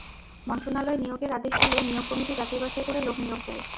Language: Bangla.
মন্ত্রণালয় নিয়োগের আদেশ দিলে নিয়োগ কমিটি যাচাই-বাছাই করে লোক নিয়োগ দেয়।